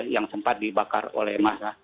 yang sempat dibakar oleh masa